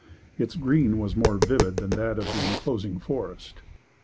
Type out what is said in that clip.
Its green was more vivid than that of the inclosing forest.